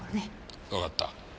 わかった。